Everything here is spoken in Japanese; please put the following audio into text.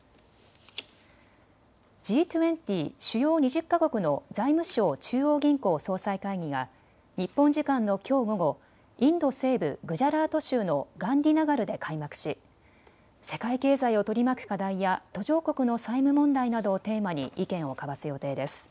Ｇ２０・主要２０か国の財務相・中央銀行総裁会議が日本時間のきょう午後、インド西部グジャラート州のガンディナガルで開幕し世界経済を取り巻く課題や途上国の債務問題などをテーマに意見を交わす予定です。